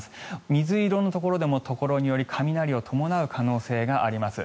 水色のところでも、ところにより雷を伴う可能性があります。